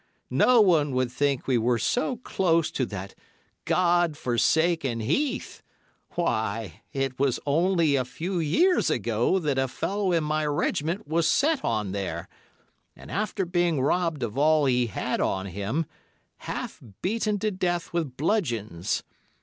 No one would think we were so close to that God forsaken heath; why, it was only a few years ago that a fellow in my regiment was set on there, and, after being robbed of all he had on him, half beaten to death with bludgeons.